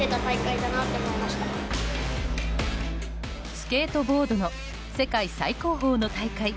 スケートボードの世界最高峰の大会